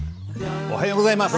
おはようございます。